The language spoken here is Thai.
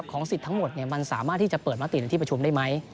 สิทธิ์ทั้งหมดมันสามารถที่จะเปิดมติในที่ประชุมได้ไหม